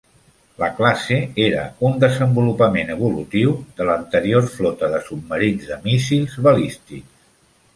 La classe era un desenvolupament evolutiu de l'anterior flota de submarins de míssils balístics.